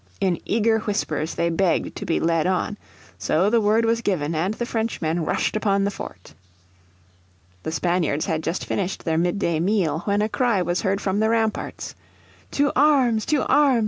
In eager whispers they begged to be led on. So the word was given, and the Frenchmen rushed upon the fort. The Spaniards had just finished their mid day meal when a cry was heard from the ramparts. "To arms! to arms!